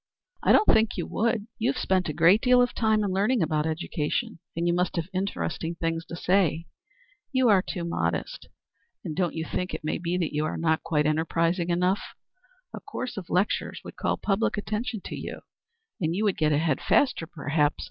"I don't think you would. You have spent a great deal of time in learning about education, and you must have interesting things to say. You are too modest and don't you think it may be that you are not quite enterprising enough? A course of lectures would call public attention to you, and you would get ahead faster, perhaps.